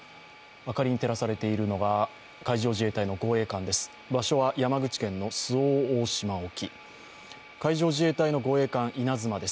明かりに照らされているのが、海上自衛隊の護衛艦です。